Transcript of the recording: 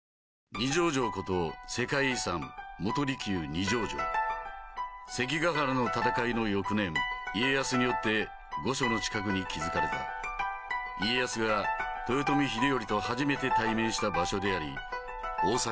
二条城こと関ヶ原の戦いの翌年家康によって御所の近くに築かれた家康が豊臣秀頼と初めて対面した場所であり大坂